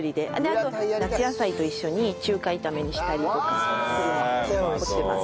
あと夏野菜と一緒に中華炒めにしたりとかするのに凝ってます。